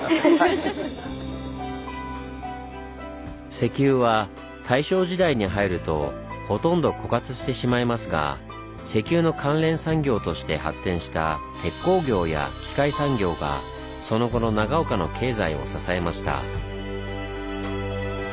石油は大正時代に入るとほとんど枯渇してしまいますが石油の関連産業として発展した鉄工業や機械産業がその後の長岡の経済を支えました。